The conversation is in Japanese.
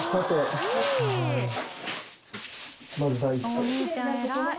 お兄ちゃん偉い。